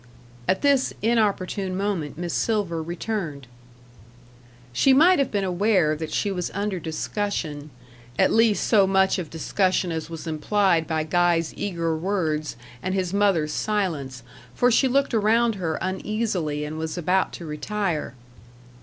At this inopportune moment Miss Silver returned. She might have been aware that she was under discussion at least so much of discussion as was implied by Guy's eager words and his mother's silence, for she looked around her uneasily, and was about to retire.